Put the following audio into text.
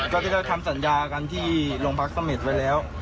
ก็ที่จะทำสัญญากันที่ลงพักสมมติไว้แล้ว